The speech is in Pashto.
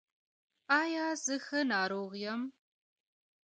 ایا زه ښه ناروغ یم؟